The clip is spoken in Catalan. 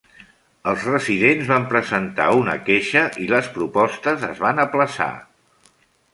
Els residents van presentar una queixa i les propostes es van aplaçar.